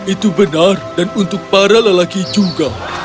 itu benar dan untuk para lelaki juga